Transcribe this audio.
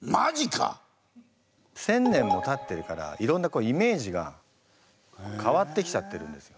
１，０００年もたってるからいろんなイメージが変わってきちゃってるんですよ。